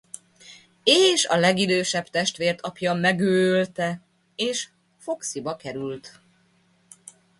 És a legidősebb testvért apja megőlte és Foxyba került.